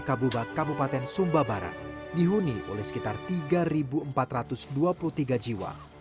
desa teh barat kecamatan kota wai kabupaten sumba barat dihuni oleh sekitar tiga empat ratus dua puluh tiga jiwa